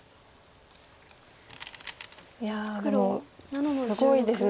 いやでもすごいですね。